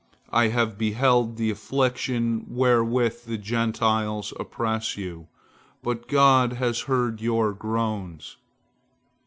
I have beheld the affliction wherewith the Gentiles oppress you, but God has heard your groans."